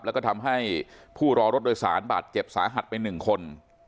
แล้วก็ทำให้ผู้รอรถโดยสารบาดเจ็บสาหัสไป๑คน